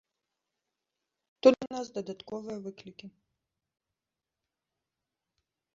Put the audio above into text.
Тут для нас дадатковыя выклікі.